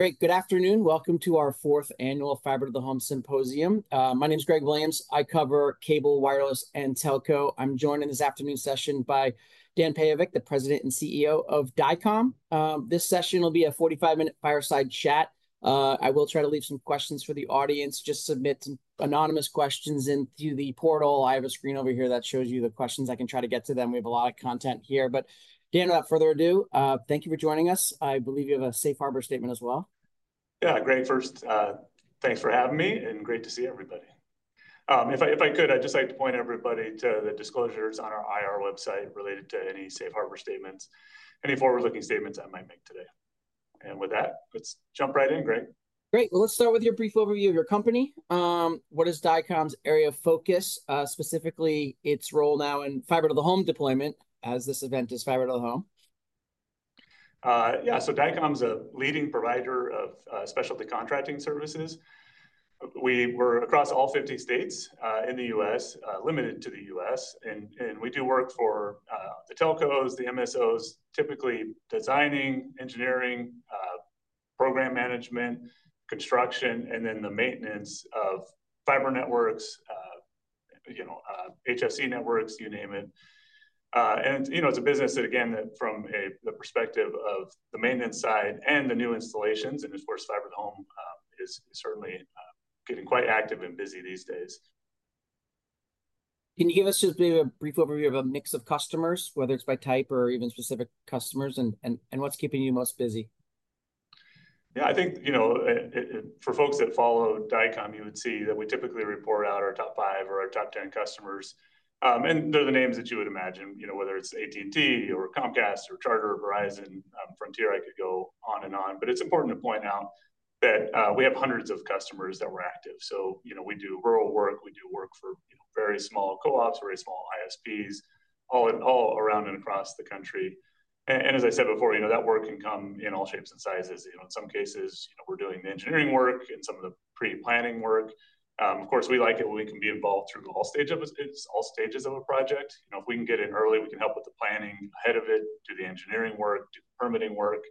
Great. Good afternoon. Welcome to our fourth annual Fiber to the Home Symposium. My name is Greg Williams. I cover cable, wireless, and telco. I'm joined in this afternoon session by Dan Peyovich, the President and CEO of Dycom. This session will be a 45-minute fireside chat. I will try to leave some questions for the audience. Just submit anonymous questions into the portal. I have a screen over here that shows you the questions. I can try to get to them. We have a lot of content here. Dan, without further ado, thank you for joining us. I believe you have a Safe Harbor Statement as well. Yeah, great. First, thanks for having me, and great to see everybody. If I could, I'd just like to point everybody to the disclosures on our IR website related to any Safe Harbor Statements, any forward-looking statements I might make today. With that, let's jump right in, Greg. Great. Let's start with your brief overview of your company. What is Dycom's area of focus, specifically its role now in fiber to the home deployment as this event is fiber to the home? Yeah. Dycom is a leading provider of specialty contracting services. We work across all 50 states in the U.S., limited to the U.S. We do work for the telcos, the MSOs, typically designing, engineering, program management, construction, and then the maintenance of fiber networks, HFC networks, you name it. It's a business that, again, from the perspective of the maintenance side and the new installations, and of course, fiber to the home is certainly getting quite active and busy these days. Can you give us just maybe a brief overview of a mix of customers, whether it's by type or even specific customers, and what's keeping you most busy? Yeah. I think for folks that follow Dycom, you would see that we typically report out our top five or our top ten customers. They're the names that you would imagine, whether it's AT&T or Comcast or Charter or Verizon, Frontier. I could go on and on. It is important to point out that we have hundreds of customers that we're active. We do rural work. We do work for very small co-ops, very small ISPs, all around and across the country. As I said before, that work can come in all shapes and sizes. In some cases, we're doing the engineering work and some of the pre-planning work. Of course, we like it when we can be involved through all stages of a project. If we can get in early, we can help with the planning ahead of it, do the engineering work, do the permitting work,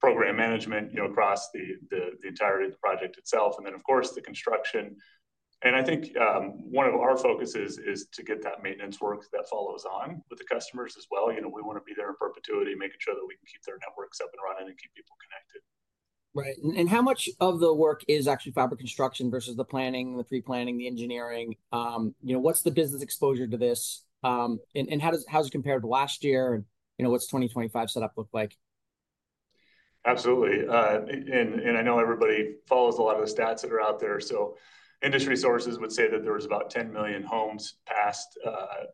program management across the entirety of the project itself, and then, of course, the construction. I think one of our focuses is to get that maintenance work that follows on with the customers as well. We want to be there in perpetuity, making sure that we can keep their networks up and running and keep people connected. Right. How much of the work is actually fiber construction versus the planning, the pre-planning, the engineering? What is the business exposure to this, and how does it compare to last year? What does the 2025 setup look like? Absolutely. I know everybody follows a lot of the stats that are out there. Industry sources would say that there was about 10 million homes passed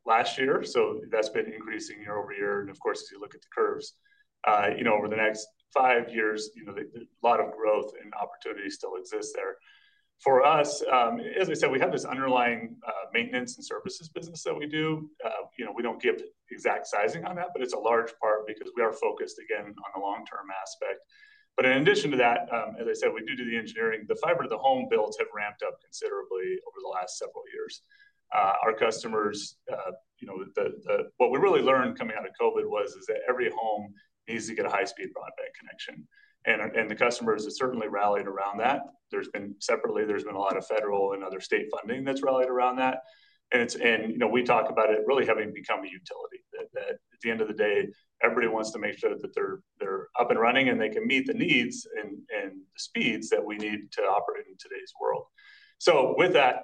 last year. That has been increasing year-over-year. Of course, as you look at the curves, over the next five years, a lot of growth and opportunity still exists there. For us, as I said, we have this underlying maintenance and services business that we do. We do not give exact sizing on that, but it is a large part because we are focused, again, on the long-term aspect. In addition to that, as I said, we do do the engineering. The fiber to the home builds have ramped up considerably over the last several years. Our customers, what we really learned coming out of COVID was that every home needs to get a high-speed broadband connection. The customers have certainly rallied around that. Separately, there has been a lot of federal and other state funding that has rallied around that. We talk about it really having become a utility that at the end of the day, everybody wants to make sure that they are up and running and they can meet the needs and the speeds that we need to operate in today's world. With that,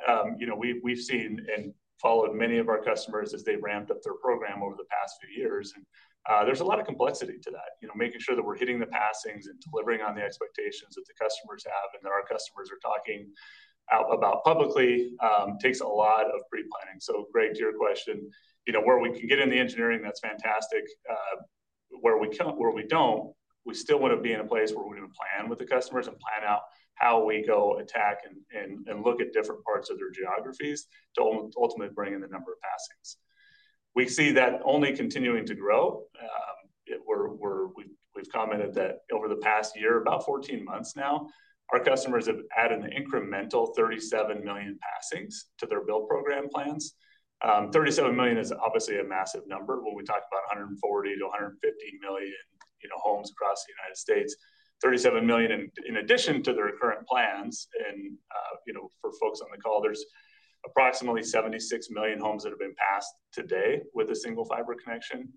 we have seen and followed many of our customers as they ramped up their program over the past few years. There is a lot of complexity to that, making sure that we are hitting the passings and delivering on the expectations that the customers have. Our customers are talking out about publicly, and it takes a lot of pre-planning. Greg, to your question, where we can get in the engineering, that is fantastic. Where we don't, we still want to be in a place where we're going to plan with the customers and plan out how we go attack and look at different parts of their geographies to ultimately bring in the number of passings. We see that only continuing to grow. We've commented that over the past year, about 14 months now, our customers have added an incremental 37 million passings to their build program plans. 37 million is obviously a massive number when we talk about 140-150 million homes across the United States. 37 million, in addition to their current plans, and for folks on the call, there's approximately 76 million homes that have been passed today with a single fiber connection.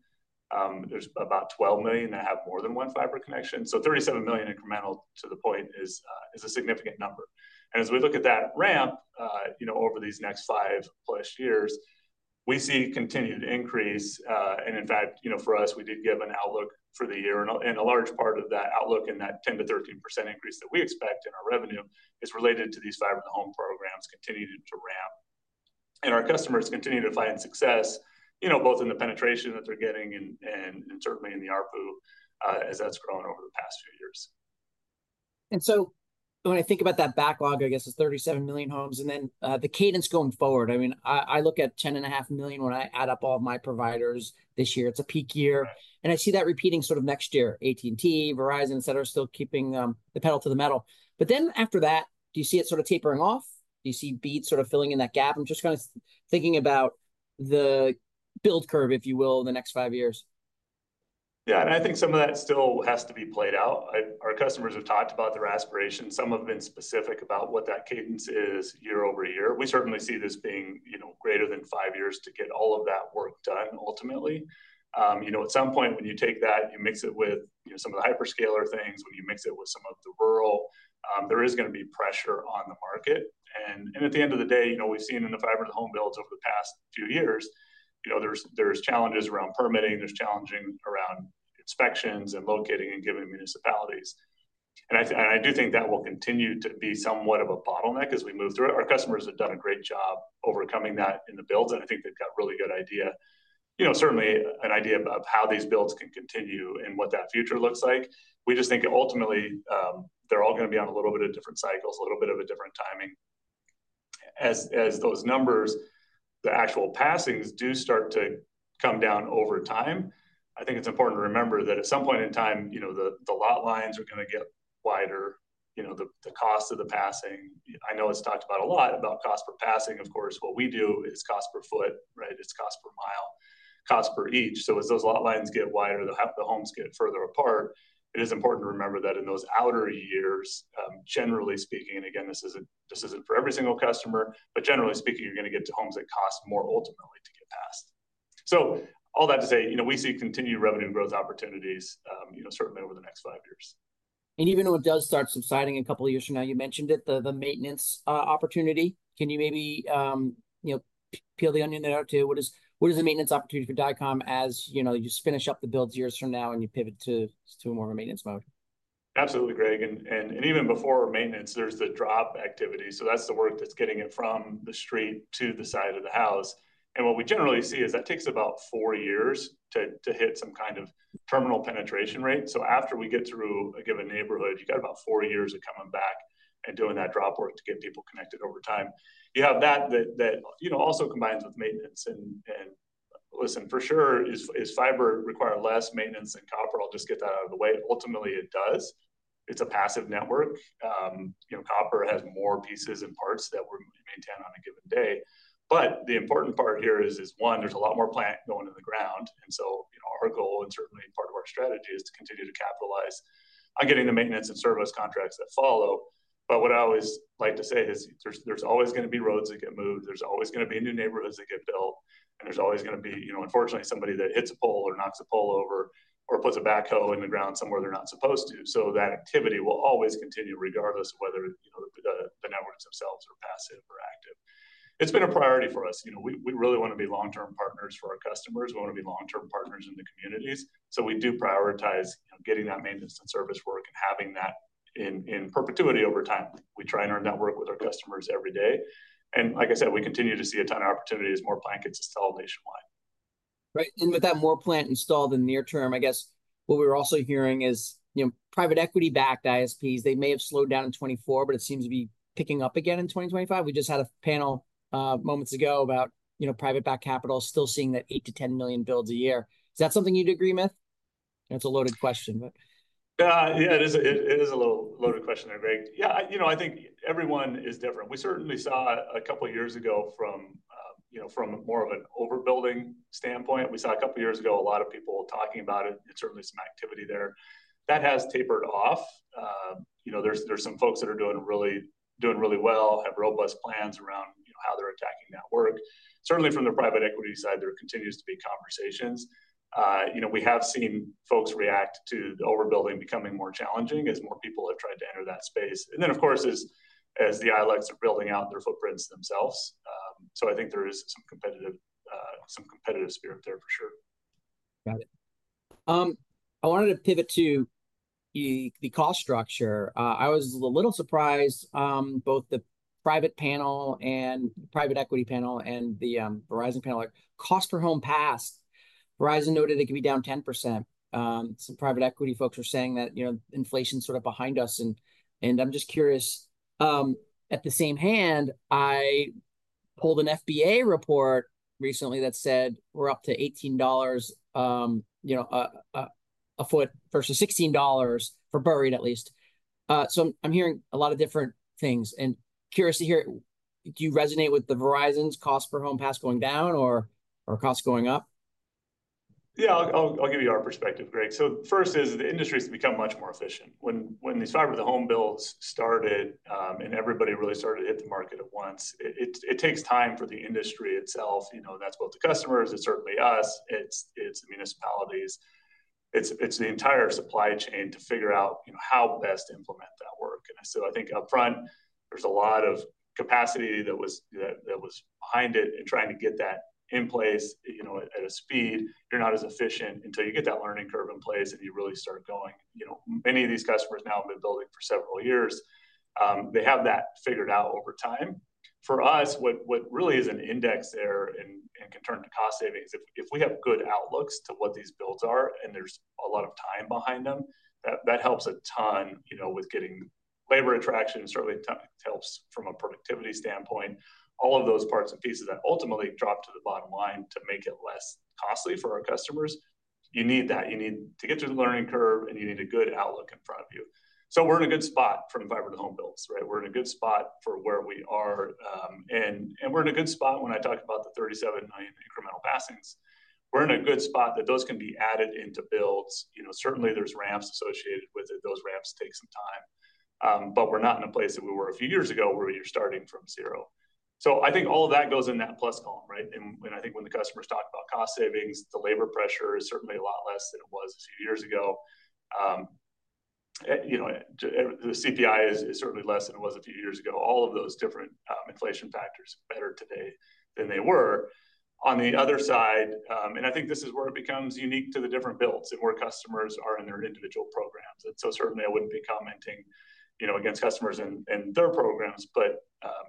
There's about 12 million that have more than one fiber connection. 37 million incremental to the point is a significant number. As we look at that ramp over these next 5+ years, we see continued increase. In fact, for us, we did give an outlook for the year. A large part of that outlook and that 10%-13% increase that we expect in our revenue is related to these fiber to the home programs continuing to ramp. Our customers continue to find success both in the penetration that they're getting and certainly in the ARPU as that's grown over the past few years. When I think about that backlog, I guess, is 37 million homes. The cadence going forward, I mean, I look at 10.5 million when I add up all of my providers this year. It is a peak year. I see that repeating sort of next year. AT&T, Verizon, etc., still keeping the pedal to the metal. After that, do you see it sort of tapering off? Do you see BEAD sort of filling in that gap? I am just kind of thinking about the build curve, if you will, in the next five years. Yeah. I think some of that still has to be played out. Our customers have talked about their aspirations. Some have been specific about what that cadence is year-over-year. We certainly see this being greater than five years to get all of that work done ultimately. At some point, when you take that, you mix it with some of the hyperscaler things, when you mix it with some of the rural, there is going to be pressure on the market. At the end of the day, we've seen in the fiber to the home builds over the past few years, there's challenges around permitting. There's challenges around inspections and locating and giving municipalities. I do think that will continue to be somewhat of a bottleneck as we move through it. Our customers have done a great job overcoming that in the builds. I think they've got a really good idea, certainly an idea of how these builds can continue and what that future looks like. We just think ultimately they're all going to be on a little bit of different cycles, a little bit of a different timing. As those numbers, the actual passings do start to come down over time. I think it's important to remember that at some point in time, the lot lines are going to get wider, the cost of the passing. I know it's talked about a lot about cost per passing. Of course, what we do is cost per foot, right? It's cost per mile, cost per each. As those lot lines get wider, the homes get further apart. It is important to remember that in those outer years, generally speaking, and again, this isn't for every single customer, but generally speaking, you're going to get to homes that cost more ultimately to get passed. All that to say, we see continued revenue growth opportunities, certainly over the next five years. Even though it does start subsiding a couple of years from now, you mentioned it, the maintenance opportunity. Can you maybe peel the onion there too? What is the maintenance opportunity for Dycom as you just finish up the builds years from now and you pivot to more of a maintenance mode? Absolutely, Greg. Even before maintenance, there's the drop activity. That's the work that's getting it from the street to the side of the house. What we generally see is that takes about four years to hit some kind of terminal penetration rate. After we get through a given neighborhood, you've got about four years of coming back and doing that drop work to get people connected over time. You have that that also combines with maintenance. Listen, for sure, does fiber require less maintenance than copper? I'll just get that out of the way. Ultimately, it does. It's a passive network. Copper has more pieces and parts that we maintain on a given day. The important part here is, one, there's a lot more plant going in the ground. Our goal, and certainly part of our strategy, is to continue to capitalize on getting the maintenance and service contracts that follow. What I always like to say is there's always going to be roads that get moved. There's always going to be new neighborhoods that get built. There's always going to be, unfortunately, somebody that hits a pole or knocks a pole over or puts a backhoe in the ground somewhere they're not supposed to. That activity will always continue regardless of whether the networks themselves are passive or active. It's been a priority for us. We really want to be long-term partners for our customers. We want to be long-term partners in the communities. We do prioritize getting that maintenance and service work and having that in perpetuity over time. We try and earn that work with our customers every day. Like I said, we continue to see a ton of opportunities. More plant gets installed nationwide. Right. With that more plant installed in the near term, I guess what we're also hearing is private equity-backed ISPs. They may have slowed down in 2024, but it seems to be picking up again in 2025. We just had a panel moments ago about private-backed capital still seeing that 8 million-10 million builds a year. Is that something you'd agree with? That's a loaded question, but. Yeah, it is a little loaded question there, Greg. Yeah, I think everyone is different. We certainly saw a couple of years ago from more of an overbuilding standpoint. We saw a couple of years ago a lot of people talking about it. It's certainly some activity there. That has tapered off. There are some folks that are doing really well, have robust plans around how they're attacking that work. Certainly from the private equity side, there continue to be conversations. We have seen folks react to the overbuilding becoming more challenging as more people have tried to enter that space. Of course, as the ILECs are building out their footprints themselves. I think there is some competitive spirit there for sure. Got it. I wanted to pivot to the cost structure. I was a little surprised both the private panel and private equity panel and the Verizon panel. Cost per home passed. Verizon noted it could be down 10%. Some private equity folks were saying that inflation's sort of behind us. I'm just curious. At the same hand, I pulled an FBA report recently that said we're up to $18 a foot versus $16 for buried at least. So I'm hearing a lot of different things. And curious to hear, do you resonate with the Verizon's cost per home pass going down or cost going up? Yeah, I'll give you our perspective, Greg. First is the industry has become much more efficient. When these fiber to the home builds started and everybody really started to hit the market at once, it takes time for the industry itself. That's both the customers. It's certainly us. It's the municipalities. It's the entire supply chain to figure out how best to implement that work. I think upfront, there's a lot of capacity that was behind it. Trying to get that in place at a speed, you're not as efficient until you get that learning curve in place and you really start going. Many of these customers now have been building for several years. They have that figured out over time. For us, what really is an index there and can turn to cost savings, if we have good outlooks to what these builds are and there's a lot of time behind them, that helps a ton with getting labor attraction. Certainly, it helps from a productivity standpoint. All of those parts and pieces that ultimately drop to the bottom line to make it less costly for our customers, you need that. You need to get through the learning curve and you need a good outlook in front of you. We are in a good spot from fiber to home builds, right? We are in a good spot for where we are. We are in a good spot when I talk about the 37 million incremental passings. We are in a good spot that those can be added into builds. Certainly, there are ramps associated with it. Those ramps take some time. We're not in a place that we were a few years ago where you're starting from zero. I think all of that goes in that plus column, right? I think when the customers talk about cost savings, the labor pressure is certainly a lot less than it was a few years ago. The CPI is certainly less than it was a few years ago. All of those different inflation factors are better today than they were. On the other side, I think this is where it becomes unique to the different builds and where customers are in their individual programs. Certainly, I wouldn't be commenting against customers and their programs.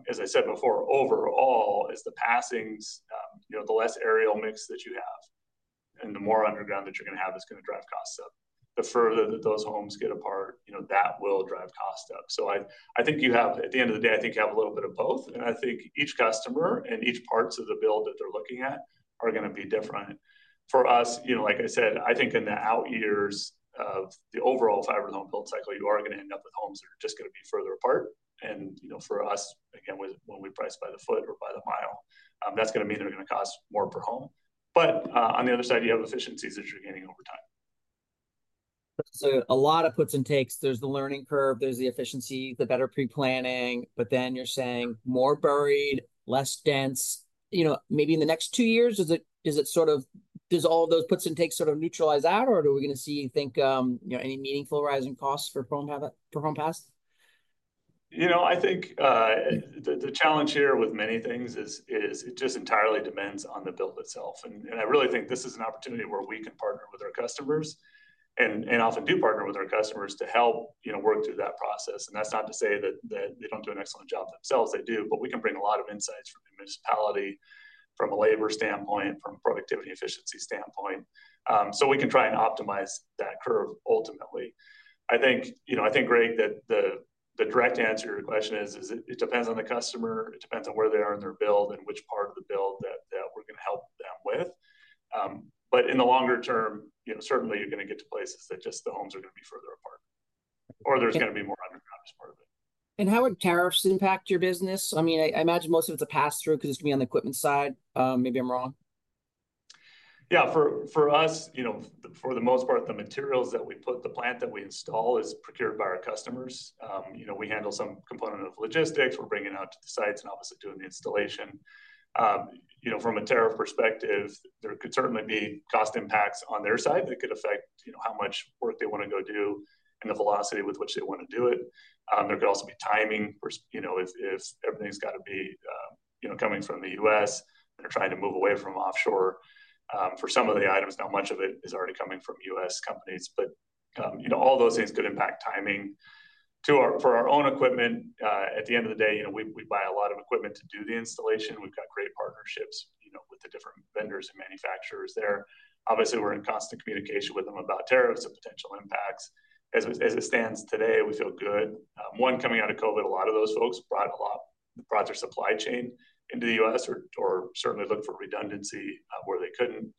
As I said before, overall, the passings, the less aerial mix that you have and the more underground that you're going to have is going to drive costs up. The further that those homes get apart, that will drive costs up. I think you have, at the end of the day, I think you have a little bit of both. I think each customer and each part of the build that they're looking at are going to be different. For us, like I said, I think in the out years of the overall fiber to the home build cycle, you are going to end up with homes that are just going to be further apart. For us, again, when we price by the foot or by the mile, that's going to mean they're going to cost more per home. On the other side, you have efficiencies that you're gaining over time. A lot of puts and takes. There's the learning curve. There's the efficiencies, the better pre-planning. But then you're saying more buried, less dense. Maybe in the next two years, is it sort of, does all of those puts and takes sort of neutralize out, or are we going to see, you think, any meaningful rising costs for home pass? I think the challenge here with many things is it just entirely depends on the build itself. I really think this is an opportunity where we can partner with our customers and often do partner with our customers to help work through that process. That is not to say that they do not do an excellent job themselves. They do. We can bring a lot of insights from the municipality, from a labor standpoint, from a productivity efficiency standpoint. We can try and optimize that curve ultimately. I think, Greg, that the direct answer to your question is it depends on the customer. It depends on where they are in their build and which part of the build that we are going to help them with. In the longer-term, certainly you're going to get to places that just the homes are going to be further apart or there's going to be more underground as part of it. How would tariffs impact your business? I mean, I imagine most of it's a pass-through because it's going to be on the equipment side. Maybe I'm wrong. Yeah. For us, for the most part, the materials that we put, the plant that we install is procured by our customers. We handle some component of logistics. We're bringing it out to the sites and obviously doing the installation. From a tariff perspective, there could certainly be cost impacts on their side that could affect how much work they want to go do and the velocity with which they want to do it. There could also be timing if everything's got to be coming from the U.S. They're trying to move away from offshore for some of the items. Now, much of it is already coming from U.S. companies. All those things could impact timing. For our own equipment, at the end of the day, we buy a lot of equipment to do the installation. We've got great partnerships with the different vendors and manufacturers there. Obviously, we're in constant communication with them about tariffs and potential impacts. As it stands today, we feel good. One, coming out of COVID, a lot of those folks brought a lot of their supply chain into the U.S. or certainly looked for redundancy where they couldn't.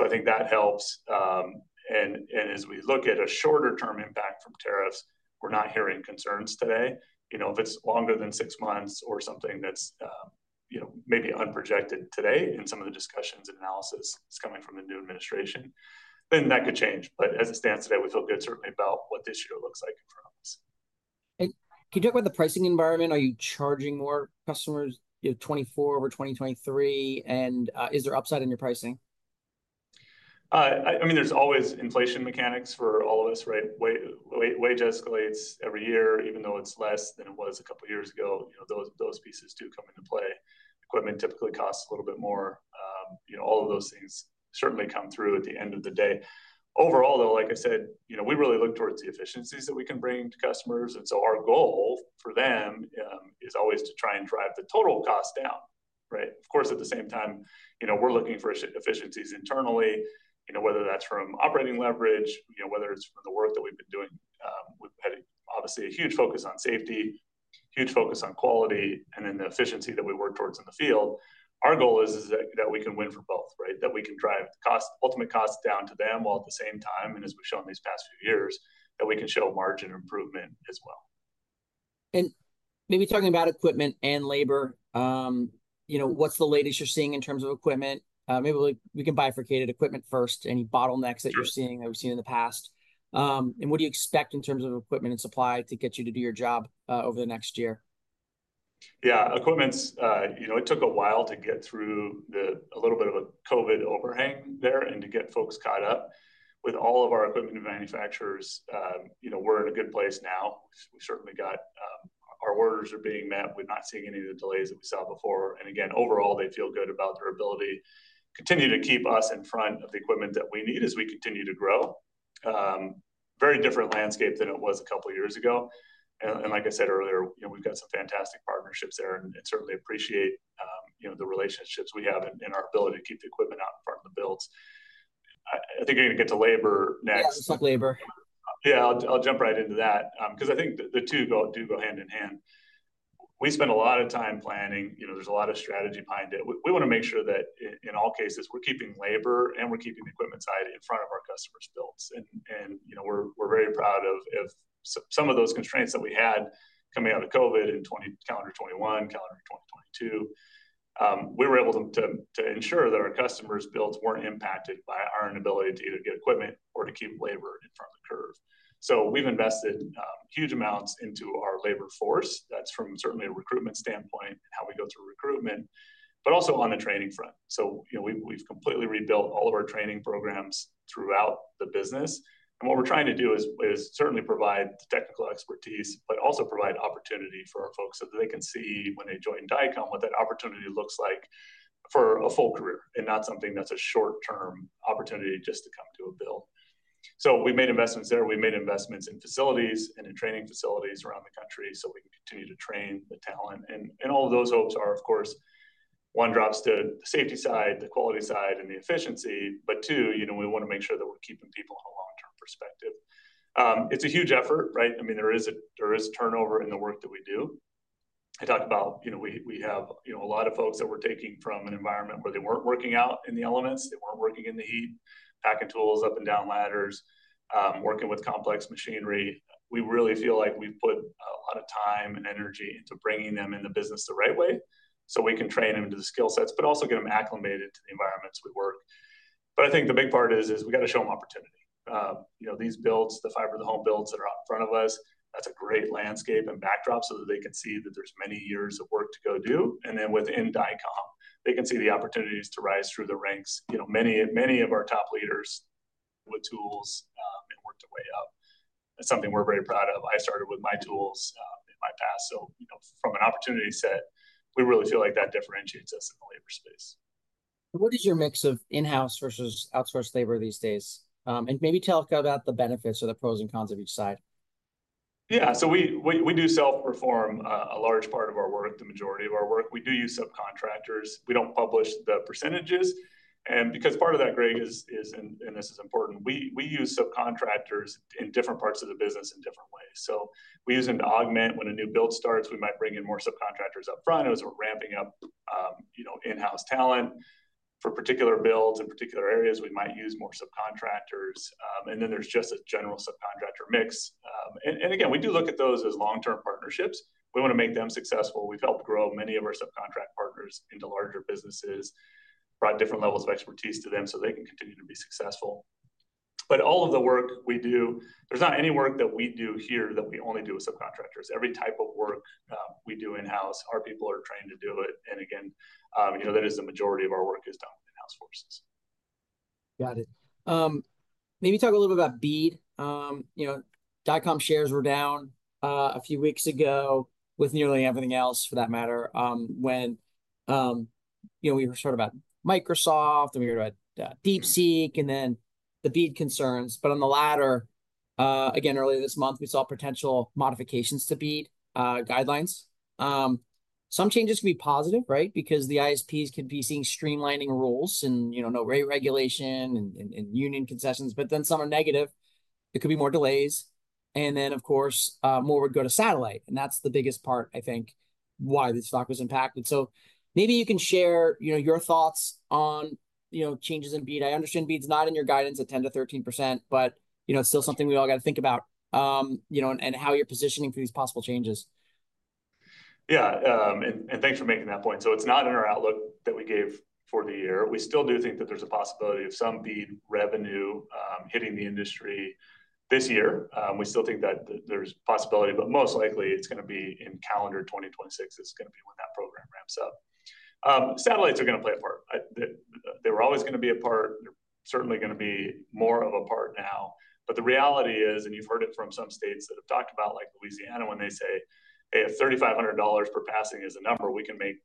I think that helps. As we look at a shorter-term impact from tariffs, we're not hearing concerns today. If it's longer than six months or something that's maybe unprojected today in some of the discussions and analysis that's coming from the new administration, that could change. As it stands today, we feel good certainly about what this year looks like in front of us. Can you talk about the pricing environment? Are you charging more customers 2024 or 2023? Is there upside in your pricing? I mean, there's always inflation mechanics for all of us, right? Wage escalates every year. Even though it's less than it was a couple of years ago, those pieces do come into play. Equipment typically costs a little bit more. All of those things certainly come through at the end of the day. Overall, though, like I said, we really look towards the efficiencies that we can bring to customers. Our goal for them is always to try and drive the total cost down, right? Of course, at the same time, we're looking for efficiencies internally, whether that's from operating leverage, whether it's from the work that we've been doing. We've had, obviously, a huge focus on safety, huge focus on quality, and then the efficiency that we work towards in the field. Our goal is that we can win for both, right? That we can drive the ultimate cost down to them while at the same time, and as we've shown these past few years, that we can show margin improvement as well. Maybe talking about equipment and labor, what's the latest you're seeing in terms of equipment? Maybe we can bifurcate it: equipment first, any bottlenecks that you're seeing that we've seen in the past. What do you expect in terms of equipment and supply to get you to do your job over the next year? Yeah. Equipment, it took a while to get through a little bit of a COVID overhang there and to get folks caught up. With all of our equipment and manufacturers, we're in a good place now. We certainly got our orders are being met. We're not seeing any of the delays that we saw before. Overall, they feel good about their ability to continue to keep us in front of the equipment that we need as we continue to grow. Very different landscape than it was a couple of years ago. Like I said earlier, we've got some fantastic partnerships there. I certainly appreciate the relationships we have and our ability to keep the equipment out in front of the builds. I think I'm going to get to labor next. Yeah, let's talk labor. Yeah, I'll jump right into that because I think the two do go hand in hand. We spend a lot of time planning. There's a lot of strategy behind it. We want to make sure that in all cases, we're keeping labor and we're keeping the equipment side in front of our customers' builds. We're very proud of some of those constraints that we had coming out of COVID in calendar 2021, calendar 2022. We were able to ensure that our customers' builds weren't impacted by our inability to either get equipment or to keep labor in front of the curve. We've invested huge amounts into our labor force. That's from certainly a recruitment standpoint and how we go through recruitment, but also on the training front. We've completely rebuilt all of our training programs throughout the business. What we're trying to do is certainly provide technical expertise, but also provide opportunity for our folks so that they can see when they join Dycom what that opportunity looks like for a full career and not something that's a short-term opportunity just to come to a build. We have made investments there. We have made investments in facilities and in training facilities around the country so we can continue to train the talent. All of those hopes are, of course, one drops to the safety side, the quality side, and the efficiency. Two, we want to make sure that we're keeping people in a long-term perspective. It's a huge effort, right? I mean, there is turnover in the work that we do. I talked about we have a lot of folks that we're taking from an environment where they weren't working out in the elements. They weren't working in the heat, packing tools up and down ladders, working with complex machinery. We really feel like we've put a lot of time and energy into bringing them in the business the right way so we can train them into the skill sets, but also get them acclimated to the environments we work. I think the big part is we got to show them opportunity. These builds, the fiber to the home builds that are out in front of us, that's a great landscape and backdrop so that they can see that there's many years of work to go do. Within Dycom, they can see the opportunities to rise through the ranks. Many of our top leaders with tools and worked their way up. That's something we're very proud of. I started with my tools in my past. From an opportunity set, we really feel like that differentiates us in the labor space. What is your mix of in-house versus outsourced labor these days? Maybe tell us about the benefits or the pros and cons of each side. Yeah. We do self-perform a large part of our work, the majority of our work. We do use subcontractors. We do not publish the percentages. This is important, Greg, we use subcontractors in different parts of the business in different ways. We use them to augment. When a new build starts, we might bring in more subcontractors upfront. If we are ramping up in-house talent for particular builds in particular areas, we might use more subcontractors. There is just a general subcontractor mix. We do look at those as long-term partnerships. We want to make them successful. We have helped grow many of our subcontract partners into larger businesses, brought different levels of expertise to them so they can continue to be successful. All of the work we do, there's not any work that we do here that we only do with subcontractors. Every type of work we do in-house, our people are trained to do it. Again, the majority of our work is done with in-house forces. Got it. Maybe talk a little bit about BEAD. Dycom shares were down a few weeks ago with nearly everything else for that matter when we heard about Microsoft and we heard about DeepSeek and then the BEAD concerns. On the latter, again, earlier this month, we saw potential modifications to BEAD guidelines. Some changes can be positive, right? Because the ISPs can be seeing streamlining rules and no rate regulation and union concessions. Some are negative. It could be more delays. Of course, more would go to satellite. That is the biggest part, I think, why the stock was impacted. Maybe you can share your thoughts on changes in BEAD. I understand BEAD is not in your guidance at 10%-13%, but it is still something we all got to think about and how you are positioning for these possible changes. Yeah. Thanks for making that point. It's not in our outlook that we gave for the year. We still do think that there's a possibility of some BEAD revenue hitting the industry this year. We still think that there's a possibility, but most likely it's going to be in calendar 2026. It's going to be when that program ramps up. Satellites are going to play a part. They were always going to be a part. They're certainly going to be more of a part now. The reality is, and you've heard it from some states that have talked about like Louisiana when they say, "Hey, if $3,500 per passing is a number, we can make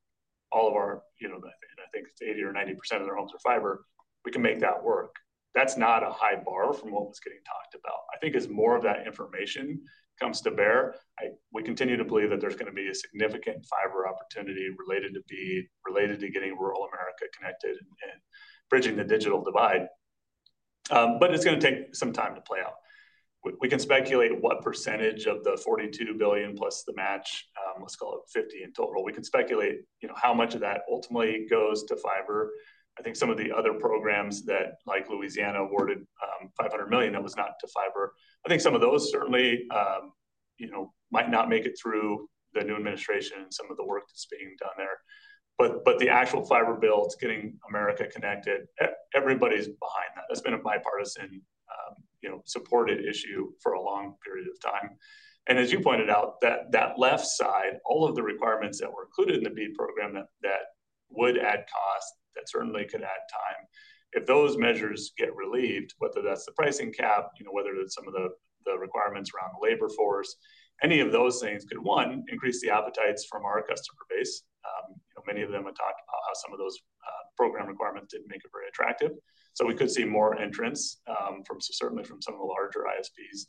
all of our," and I think it's 80% or 90% of their homes are fiber, "we can make that work." That's not a high bar from what was getting talked about. I think as more of that information comes to bear, we continue to believe that there's going to be a significant fiber opportunity related to BEAD, related to getting rural America connected and bridging the digital divide. It's going to take some time to play out. We can speculate what percentage of the $42 billion+ the match, let's call it $50 billion in total. We can speculate how much of that ultimately goes to fiber. I think some of the other programs that like Louisiana awarded $500 million, that was not to fiber. I think some of those certainly might not make it through the new administration and some of the work that's being done there. The actual fiber builds, getting America connected, everybody's behind that. That's been a bipartisan supported issue for a long period of time. As you pointed out, that left side, all of the requirements that were included in the BEAD program that would add cost, that certainly could add time, if those measures get relieved, whether that's the pricing cap, whether it's some of the requirements around the labor force, any of those things could, one, increase the appetites from our customer base. Many of them have talked about how some of those program requirements didn't make it very attractive. We could see more entrance certainly from some of the larger ISPs.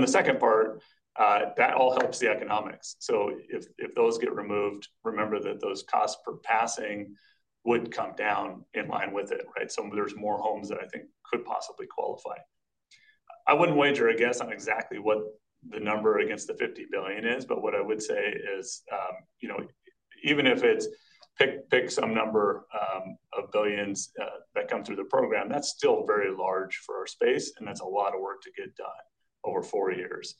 The second part, that all helps the economics. If those get removed, remember that those costs per passing would come down in line with it, right? There are more homes that I think could possibly qualify. I wouldn't wager a guess on exactly what the number against the $50 billion is, but what I would say is even if it's pick some number of billions that come through the program, that's still very large for our space, and that's a lot of work to get done over four years.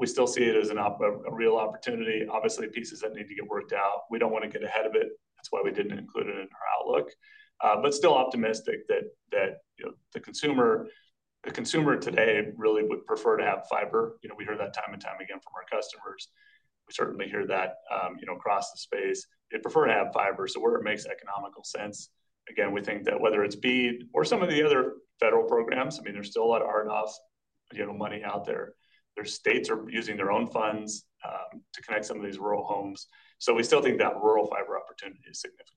We still see it as a real opportunity. Obviously, pieces that need to get worked out. We don't want to get ahead of it. That's why we didn't include it in our outlook. Still optimistic that the consumer today really would prefer to have fiber. We hear that time and time again from our customers. We certainly hear that across the space. They prefer to have fiber where it makes economical sense. Again, we think that whether it's BEAD or some of the other federal programs, I mean, there's still a lot of RDOF money out there. Their states are using their own funds to connect some of these rural homes. So we still think that rural fiber opportunity is significant.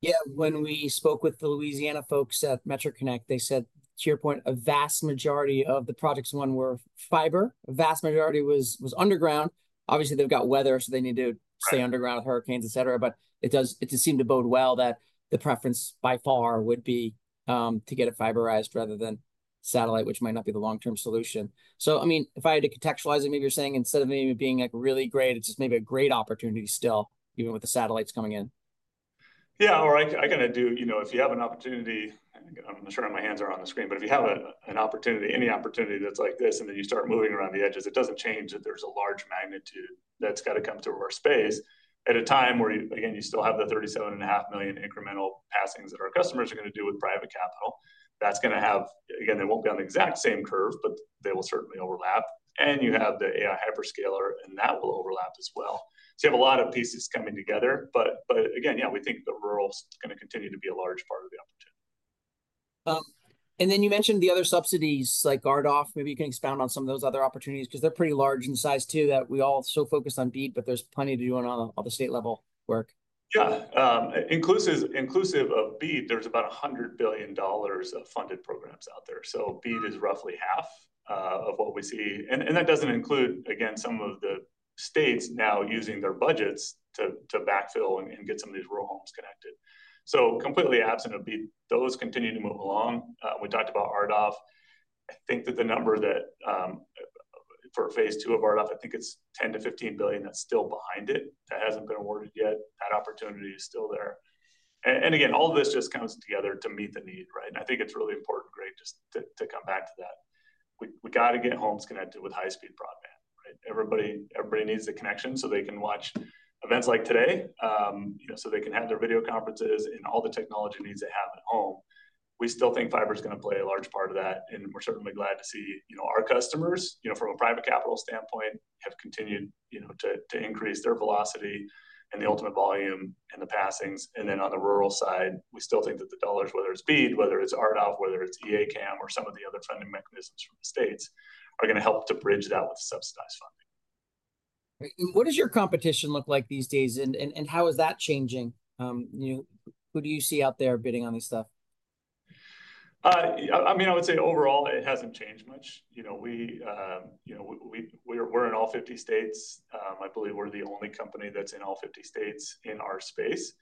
Yeah. When we spoke with the Louisiana folks at Metro Connect, they said, to your point, a vast majority of the projects won were fiber. A vast majority was underground. Obviously, they've got weather, so they need to stay underground with hurricanes, etc. It does seem to bode well that the preference by far would be to get it fiberized rather than satellite, which might not be the long-term solution. I mean, if I had to contextualize it, maybe you're saying instead of maybe being really great, it's just maybe a great opportunity still, even with the satellites coming in. Yeah. I kind of do, if you have an opportunity, I'm not sure my hands are on the screen, but if you have an opportunity, any opportunity that's like this, and then you start moving around the edges, it doesn't change that there's a large magnitude that's got to come through our space at a time where, again, you still have the 37.5 million incremental passings that our customers are going to do with private capital. That's going to have, again, they won't be on the exact same curve, but they will certainly overlap. You have the AI hyperscaler, and that will overlap as well. You have a lot of pieces coming together. Again, yeah, we think the rural is going to continue to be a large part of the opportunity. You mentioned the other subsidies like RDOF. Maybe you can expound on some of those other opportunities because they're pretty large in size too that we all so focused on BEAD, but there's plenty to do on all the state-level work. Yeah. Inclusive of BEAD, there's about $100 billion of funded programs out there. BEAD is roughly half of what we see. That does not include, again, some of the states now using their budgets to backfill and get some of these rural homes connected. Completely absent of BEAD, those continue to move along. We talked about RDOF. I think that the number for phase 2 of RDOF, I think it's $10 billion-$15 billion that's still behind it. That has not been awarded yet. That opportunity is still there. All of this just comes together to meet the need, right? I think it's really important, Greg, just to come back to that. We got to get homes connected with high-speed broadband, right? Everybody needs the connection so they can watch events like today so they can have their video conferences and all the technology needs they have at home. We still think fiber is going to play a large part of that. We are certainly glad to see our customers, from a private capital standpoint, have continued to increase their velocity and the ultimate volume and the passings. On the rural side, we still think that the dollars, whether it's BEAD, whether it's RDOF, whether it's EACAM or some of the other funding mechanisms from the states, are going to help to bridge that with subsidized funding. What does your competition look like these days? How is that changing? Who do you see out there bidding on this stuff? I mean, I would say overall, it hasn't changed much. We're in all 50 states. I believe we're the only company that's in all 50 states in our space.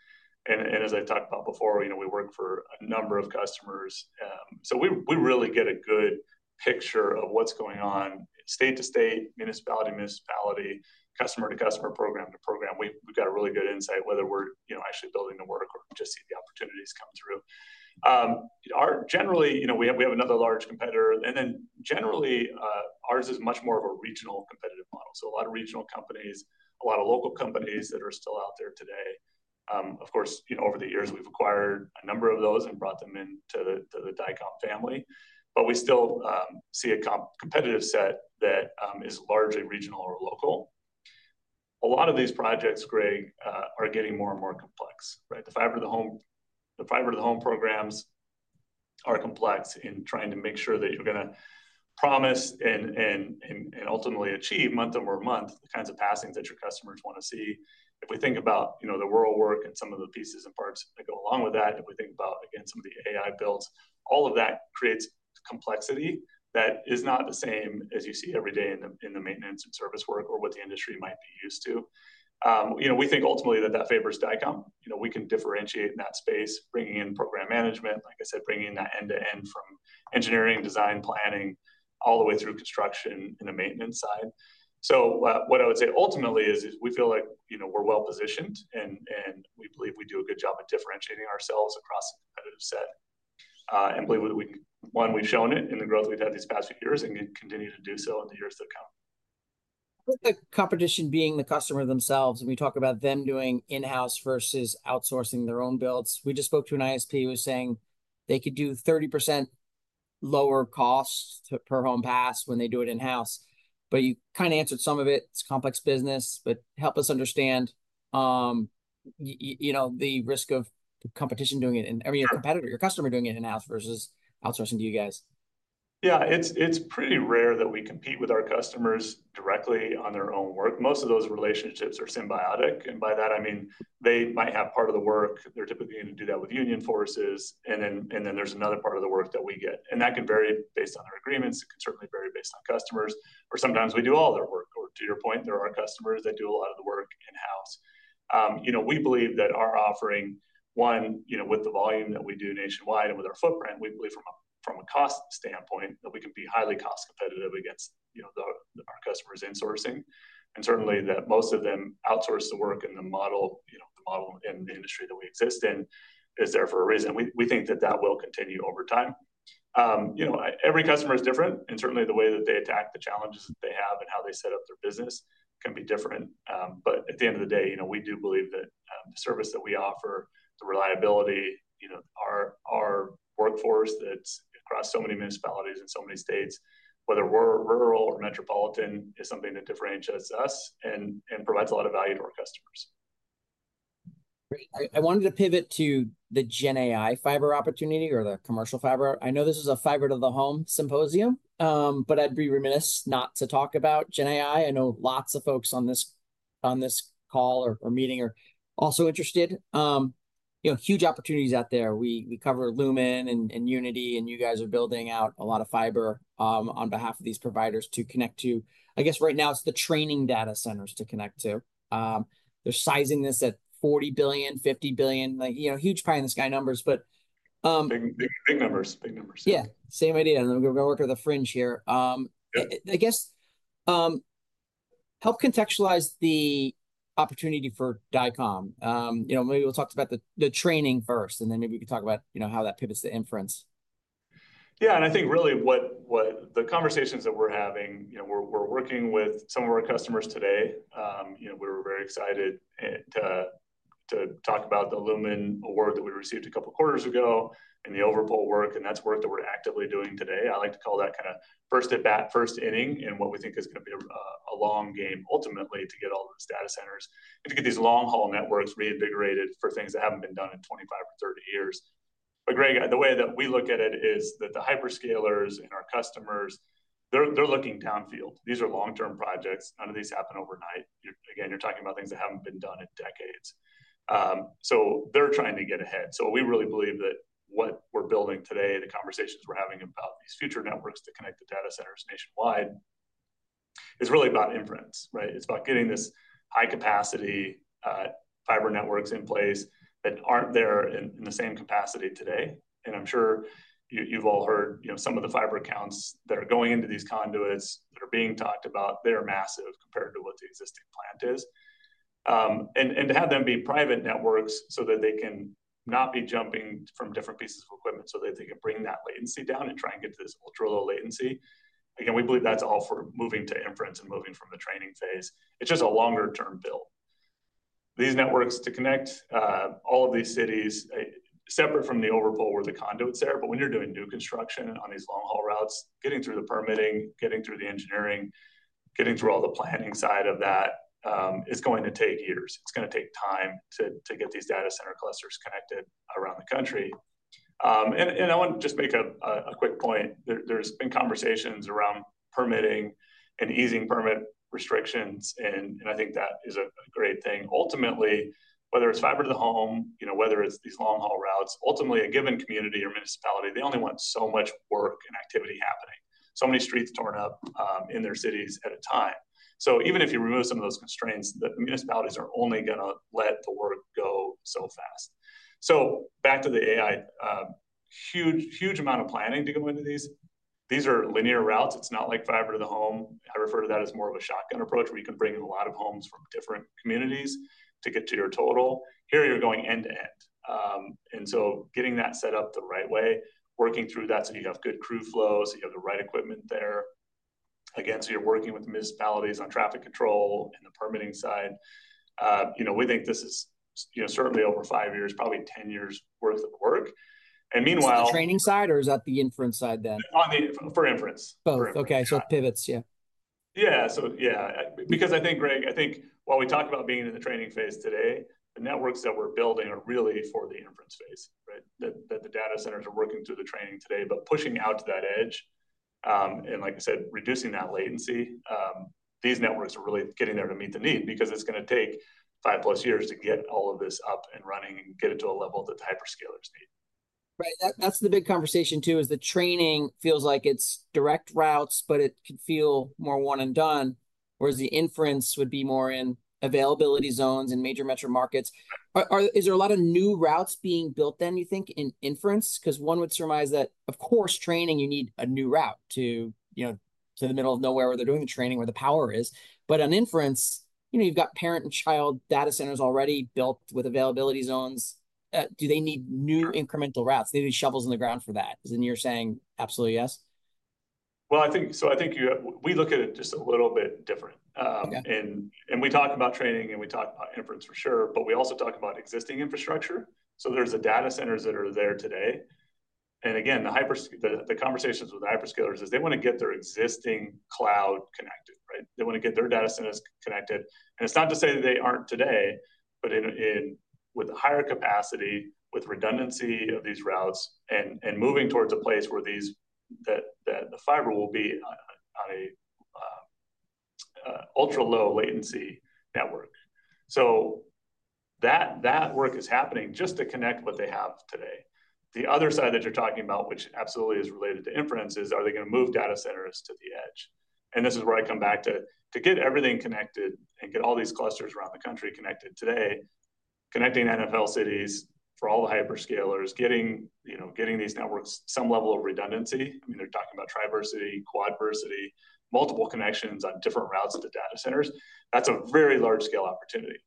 As I talked about before, we work for a number of customers. We really get a good picture of what's going on state to state, municipality to municipality, customer to customer, program to program. We've got a really good insight whether we're actually building the work or just see the opportunities come through. Generally, we have another large competitor. Generally, ours is much more of a regional competitive model. A lot of regional companies, a lot of local companies that are still out there today. Of course, over the years, we've acquired a number of those and brought them into the Dycom family. We still see a competitive set that is largely regional or local. A lot of these projects, Greg, are getting more and more complex, right? The fiber to the home programs are complex in trying to make sure that you're going to promise and ultimately achieve month over month the kinds of passings that your customers want to see. If we think about the rural work and some of the pieces and parts that go along with that, if we think about, again, some of the AI builds, all of that creates complexity that is not the same as you see every day in the maintenance and service work or what the industry might be used to. We think ultimately that that favors Dycom. We can differentiate in that space, bringing in program management, like I said, bringing in that end-to-end from engineering, design, planning, all the way through construction and the maintenance side. What I would say ultimately is we feel like we're well positioned and we believe we do a good job of differentiating ourselves across a competitive set. We believe that we can, one, we've shown it in the growth we've had these past few years and continue to do so in the years to come. With the competition being the customer themselves, and we talk about them doing in-house versus outsourcing their own builds. We just spoke to an ISP who was saying they could do 30% lower cost per home pass when they do it in-house. You kind of answered some of it. It's complex business, but help us understand the risk of competition doing it and your competitor, your customer doing it in-house versus outsourcing to you guys. Yeah. It's pretty rare that we compete with our customers directly on their own work. Most of those relationships are symbiotic. By that, I mean they might have part of the work. They're typically going to do that with union forces. There is another part of the work that we get. That can vary based on our agreements. It can certainly vary based on customers. Sometimes we do all their work. To your point, there are customers that do a lot of the work in-house. We believe that our offering, one, with the volume that we do nationwide and with our footprint, we believe from a cost standpoint that we can be highly cost competitive against our customers' insourcing. Certainly, most of them outsource the work and the model and the industry that we exist in is there for a reason. We think that that will continue over time. Every customer is different. Certainly the way that they attack the challenges that they have and how they set up their business can be different. At the end of the day, we do believe that the service that we offer, the reliability, our workforce that's across so many municipalities and so many states, whether we're rural or metropolitan, is something that differentiates us and provides a lot of value to our customers. I wanted to pivot to the GenAI fiber opportunity or the commercial fiber. I know this is a fiber to the home symposium, but I'd be remiss not to talk about GenAI. I know lots of folks on this call or meeting are also interested. Huge opportunities out there. We cover Lumen and Uniti, and you guys are building out a lot of fiber on behalf of these providers to connect to. I guess right now it's the training data centers to connect to. They're sizing this at $40 billion-$50 billion. Huge pie in the sky numbers, but. Big numbers. Big numbers. Yeah. Same idea. We're going to work with a fringe here. I guess help contextualize the opportunity for Dycom. Maybe we'll talk about the training first, and then maybe we can talk about how that pivots to inference. Yeah. I think really what the conversations that we're having, we're working with some of our customers today. We were very excited to talk about the Lumen award that we received a couple of quarters ago and the overpull work. That is work that we're actively doing today. I like to call that kind of first inning and what we think is going to be a long game ultimately to get all the data centers and to get these long-haul networks reinvigorated for things that have not been done in 25 or 30 years. Greg, the way that we look at it is that the hyperscalers and our customers, they're looking downfield. These are long-term projects. None of these happen overnight. Again, you're talking about things that have not been done in decades. They are trying to get ahead. We really believe that what we're building today, the conversations we're having about these future networks to connect the data centers nationwide is really about inference, right? It's about getting this high-capacity fiber networks in place that aren't there in the same capacity today. I'm sure you've all heard some of the fiber counts that are going into these conduits that are being talked about, they're massive compared to what the existing plant is. To have them be private networks so that they can not be jumping from different pieces of equipment so that they can bring that latency down and try and get to this ultra-low latency. Again, we believe that's all for moving to inference and moving from the training phase. It's just a longer-term build. These networks to connect all of these cities separate from the overpull where the conduit's there. When you're doing new construction on these long-haul routes, getting through the permitting, getting through the engineering, getting through all the planning side of that, it's going to take years. It's going to take time to get these data center clusters connected around the country. I want to just make a quick point. There's been conversations around permitting and easing permit restrictions. I think that is a great thing. Ultimately, whether it's fiber to the home, whether it's these long-haul routes, ultimately a given community or municipality, they only want so much work and activity happening. So many streets torn up in their cities at a time. Even if you remove some of those constraints, the municipalities are only going to let the work go so fast. Back to the AI, huge amount of planning to go into these. These are linear routes. It's not like fiber to the home. I refer to that as more of a shotgun approach where you can bring in a lot of homes from different communities to get to your total. Here, you're going end to end. Getting that set up the right way, working through that so you have good crew flow, so you have the right equipment there. Again, you're working with municipalities on traffic control and the permitting side. We think this is certainly over five years, probably 10 years' worth of work. Meanwhile. Is that the training side or is that the inference side then? For inference. Both. Okay. It pivots, yeah. Yeah. Yeah. Because I think, Greg, I think while we talk about being in the training phase today, the networks that we're building are really for the inference phase, right? The data centers are working through the training today, but pushing out to that edge. Like I said, reducing that latency. These networks are really getting there to meet the need because it's going to take five plus years to get all of this up and running and get it to a level that the hyperscalers need. Right. That's the big conversation too is the training feels like it's direct routes, but it could feel more one-and-done, whereas the inference would be more in availability zones and major metro markets. Is there a lot of new routes being built then, you think, in inference? Because one would surmise that, of course, training, you need a new route to the middle of nowhere where they're doing the training where the power is. But on inference, you've got parent and child data centers already built with availability zones. Do they need new incremental routes? They need shovels in the ground for that. Is it you're saying absolutely yes? I think we look at it just a little bit different. We talk about training and we talk about inference for sure, but we also talk about existing infrastructure. There are the data centers that are there today. Again, the conversations with the hyperscalers are they want to get their existing cloud connected, right? They want to get their data centers connected. It is not to say that they are not today, but with a higher capacity, with redundancy of these routes and moving towards a place where the fiber will be on an ultra-low latency network. That work is happening just to connect what they have today. The other side that you are talking about, which absolutely is related to inference, is are they going to move data centers to the edge? This is where I come back to get everything connected and get all these clusters around the country connected today, connecting NFL cities for all the hyperscalers, getting these networks some level of redundancy. I mean, they're talking about triversity, quadversity, multiple connections on different routes to data centers. That is a very large-scale opportunity.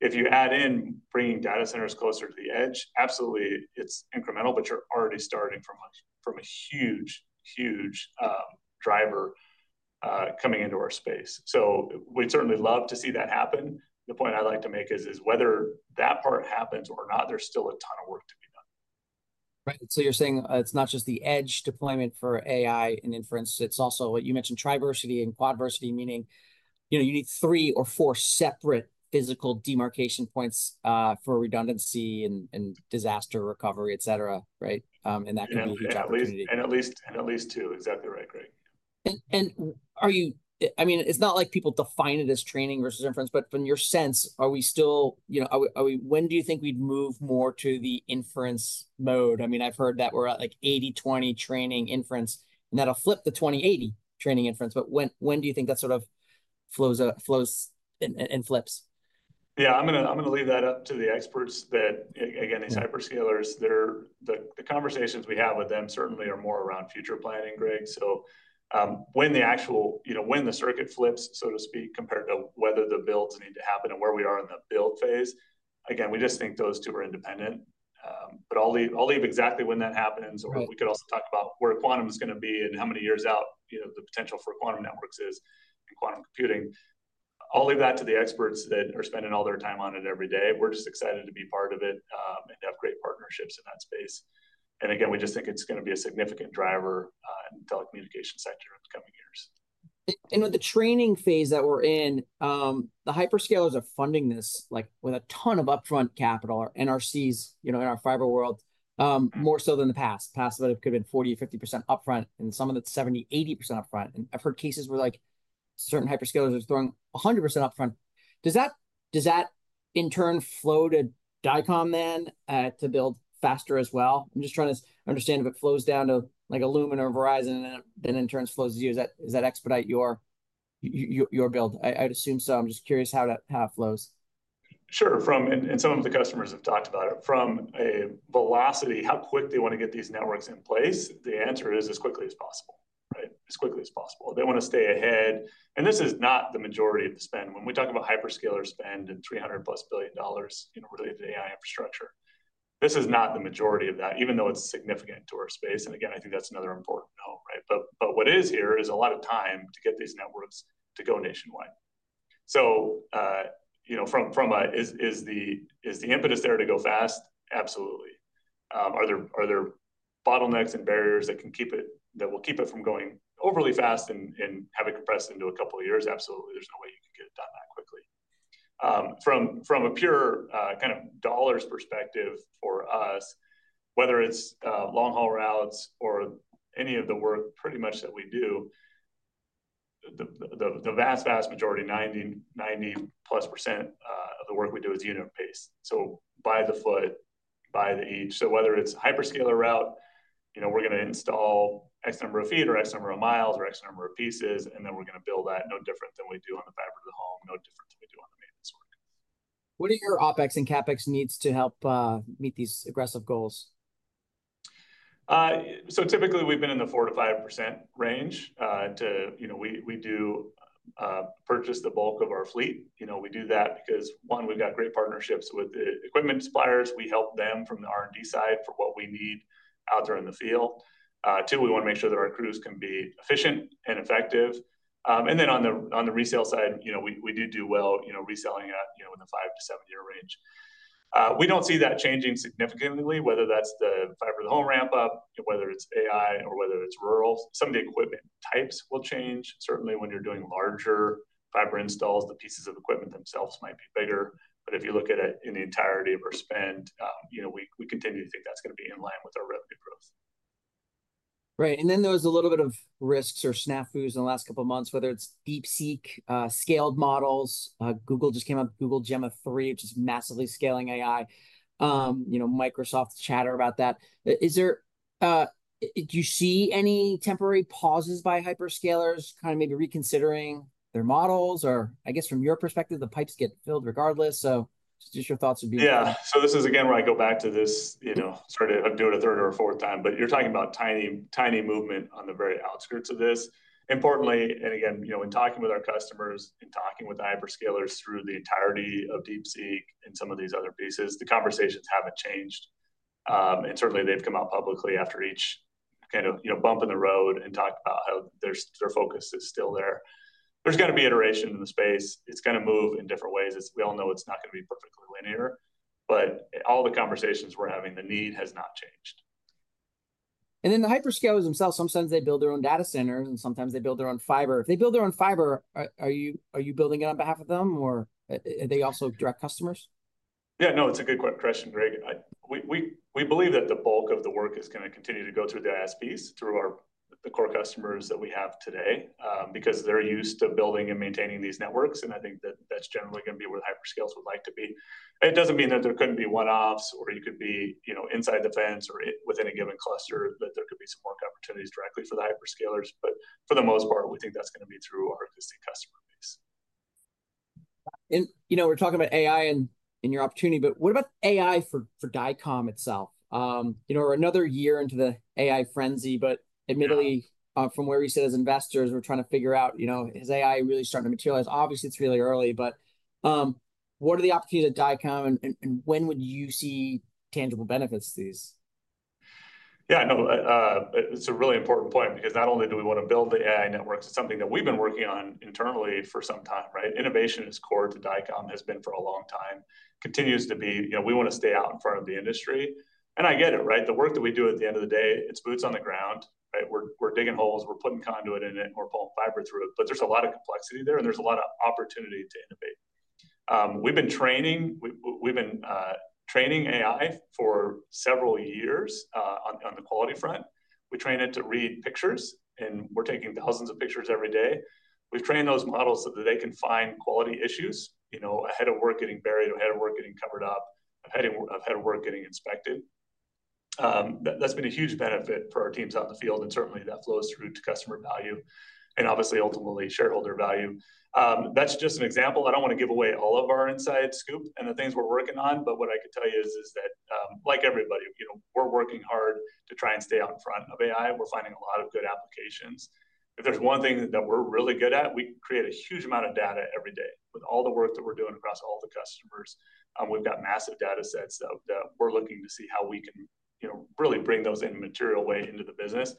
If you add in bringing data centers closer to the edge, absolutely it is incremental, but you're already starting from a huge, huge driver coming into our space. We would certainly love to see that happen. The point I'd like to make is whether that part happens or not, there is still a ton of work to be done. Right. So you're saying it's not just the edge deployment for AI and inference. It's also what you mentioned, triversity and quadversity, meaning you need three or four separate physical demarcation points for redundancy and disaster recovery, etc., right? That can be a huge opportunity. At least two. Exactly right, Greg. I mean, it's not like people define it as training versus inference, but from your sense, are we still, when do you think we'd move more to the inference mode? I mean, I've heard that we're at like 80/20 training inference, and that'll flip to 20/80 training inference. When do you think that sort of flows and flips? Yeah. I'm going to leave that up to the experts that, again, these hyperscalers, the conversations we have with them certainly are more around future planning, Greg. When the actual, when the circuit flips, so to speak, compared to whether the builds need to happen and where we are in the build phase, again, we just think those two are independent. I'll leave exactly when that happens. We could also talk about where quantum is going to be and how many years out the potential for quantum networks is and quantum computing. I'll leave that to the experts that are spending all their time on it every day. We're just excited to be part of it and have great partnerships in that space. Again, we just think it's going to be a significant driver in the telecommunication sector in the coming years. With the training phase that we're in, the hyperscalers are funding this with a ton of upfront capital or NRCs in our fiber world, more so than the past. Past, it could have been 40% or 50% upfront, and some of it's 70%-80% upfront. I've heard cases where certain hyperscalers are throwing 100% upfront. Does that, in turn, flow to Dycom then to build faster as well? I'm just trying to understand if it flows down to Lumen or Verizon, then in turn flows to you. Does that expedite your build? I'd assume so. I'm just curious how it flows. Sure. Some of the customers have talked about it. From a velocity, how quick they want to get these networks in place, the answer is as quickly as possible, right? As quickly as possible. They want to stay ahead. This is not the majority of the spend. When we talk about hyperscalers spending $300 billion-plus related to AI infrastructure, this is not the majority of that, even though it is significant to our space. I think that is another important note, right? What is here is a lot of time to get these networks to go nationwide. Is the impetus there to go fast? Absolutely. Are there bottlenecks and barriers that will keep it from going overly fast and have it compressed into a couple of years? Absolutely. There is no way you can get it done that quickly. From a pure kind of dollars perspective for us, whether it's long-haul routes or any of the work pretty much that we do, the vast, vast majority, 90+% of the work we do is unit-based. So by the foot, by the each. Whether it's a hyperscaler route, we're going to install X number of feet or X number of miles or X number of pieces, and then we're going to build that no different than we do on the fiber to the home, no different than we do on the maintenance work. What are your OpEx and CapEx needs to help meet these aggressive goals? Typically, we've been in the 4%-5% range. We do purchase the bulk of our fleet. We do that because, one, we've got great partnerships with the equipment suppliers. We help them from the R&D side for what we need out there in the field. Two, we want to make sure that our crews can be efficient and effective. On the resale side, we do do well reselling with a five- to seven-year range. We do not see that changing significantly, whether that is the fiber to the home ramp-up, whether it is AI, or whether it is rural. Some of the equipment types will change. Certainly, when you are doing larger fiber installs, the pieces of equipment themselves might be bigger. If you look at it in the entirety of our spend, we continue to think that is going to be in line with our revenue growth. Right. There was a little bit of risks or snafus in the last couple of months, whether it's DeepSeek, scaled models. Google just came up with Google Gemma 3, which is massively scaling AI. Microsoft's chatter about that. Do you see any temporary pauses by hyperscalers kind of maybe reconsidering their models? I guess from your perspective, the pipes get filled regardless. Just your thoughts would be really helpful. Yeah. This is, again, where I go back to this sort of do it a third or a fourth time. You're talking about tiny movement on the very outskirts of this. Importantly, again, in talking with our customers and talking with the hyperscalers through the entirety of DeepSeek and some of these other pieces, the conversations haven't changed. Certainly, they've come out publicly after each kind of bump in the road and talked about how their focus is still there. There's going to be iteration in the space. It's going to move in different ways. We all know it's not going to be perfectly linear. All the conversations we're having, the need has not changed. The hyperscalers themselves, sometimes they build their own data centers, and sometimes they build their own fiber. If they build their own fiber, are you building it on behalf of them, or are they also direct customers? Yeah. No, it's a good question, Greg. We believe that the bulk of the work is going to continue to go through the ISPs, through the core customers that we have today, because they're used to building and maintaining these networks. I think that that's generally going to be where the hyperscalers would like to be. It doesn't mean that there couldn't be one-offs or you could be inside the fence or within a given cluster, that there could be some work opportunities directly for the hyperscalers. For the most part, we think that's going to be through our existing customer base. We're talking about AI and your opportunity, but what about AI for Dycom itself? We're another year into the AI frenzy, but admittedly, from where we sit as investors, we're trying to figure out, is AI really starting to materialize? Obviously, it's really early, but what are the opportunities at Dycom, and when would you see tangible benefits to these? Yeah. No, it's a really important point because not only do we want to build the AI networks, it's something that we've been working on internally for some time, right? Innovation is core to Dycom, has been for a long time, continues to be. We want to stay out in front of the industry. I get it, right? The work that we do at the end of the day, it's boots on the ground, right? We're digging holes, we're putting conduit in it, and we're pulling fiber through it. There is a lot of complexity there, and there is a lot of opportunity to innovate. We've been training. We've been training AI for several years on the quality front. We train it to read pictures, and we're taking thousands of pictures every day. We've trained those models so that they can find quality issues ahead of work getting buried, ahead of work getting covered up, ahead of work getting inspected. That's been a huge benefit for our teams out in the field, and certainly, that flows through to customer value and obviously, ultimately, shareholder value. That's just an example. I don't want to give away all of our inside scoop and the things we're working on, but what I could tell you is that, like everybody, we're working hard to try and stay out in front of AI. We're finding a lot of good applications. If there's one thing that we're really good at, we create a huge amount of data every day with all the work that we're doing across all the customers. We've got massive data sets that we're looking to see how we can really bring those in a material way into the business.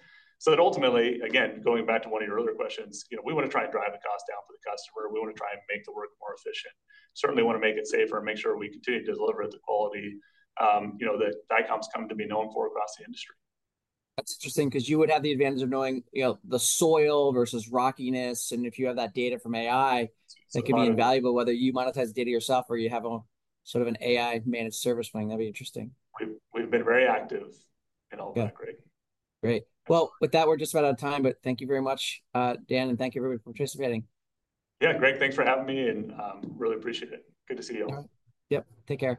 That ultimately, again, going back to one of your earlier questions, we want to try and drive the cost down for the customer. We want to try and make the work more efficient. Certainly, we want to make it safer and make sure we continue to deliver the quality that Dycom's come to be known for across the industry. That's interesting because you would have the advantage of knowing the soil versus rockiness. If you have that data from AI, it could be invaluable whether you monetize the data yourself or you have sort of an AI-managed service plan. That'd be interesting. We've been very active in all that, Greg. Great. With that, we're just about out of time, but thank you very much, Dan, and thank you everybody for participating. Yeah, Greg, thanks for having me, and really appreciate it. Good to see you all. Yep. Take care.